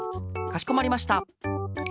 かしこまりました。